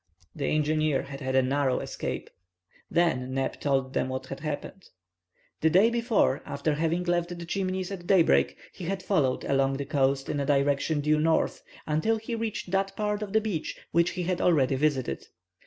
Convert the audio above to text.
The engineer had had a narrow escape! Then Neb told them what had happened. The day before, after having left the Chimneys at day break, he had followed along the coast in a direction due north, until he reached that part of the beach which he had already visited.